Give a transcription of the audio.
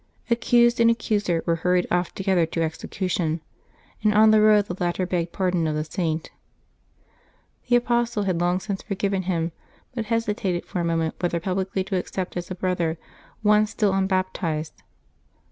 Accused and accuser were hurried off together to execution, and on the road the latter begged pardon of the Saint. The apostle had long since forgiven him, but hesitated for a moment whether publicly to accept as a brother one still unbap tized.